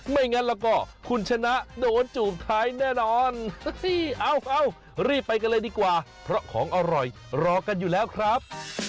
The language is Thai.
ไม่งั้นแล้วก็คุณชนะโดนจูบท้ายแน่นอนเอารีบไปกันเลยดีกว่าเพราะของอร่อยรอกันอยู่แล้วครับ